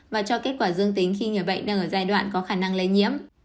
và cho kết quả dương tính khi người bệnh đang ở giai đoạn có khả năng lây nhiễm